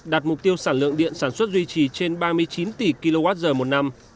đạt mục tiêu sản lượng điện sản xuất duy trì trên ba mươi chín tỷ kwh một năm